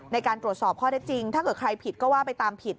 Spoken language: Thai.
ในการตรวจสอบข้อได้จริงถ้าเกิดใครผิดก็ว่าไปตามผิด